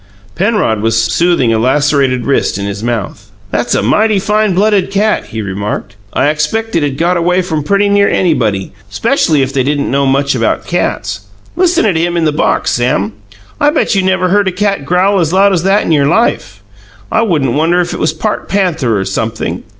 Penrod was soothing a lacerated wrist in his mouth. "That's a mighty fine blooded cat," he remarked. "I expect it'd got away from pretty near anybody, 'specially if they didn't know much about cats. Listen at him, in the box, Sam. I bet you never heard a cat growl as loud as that in your life. I shouldn't wonder it was part panther or sumpthing."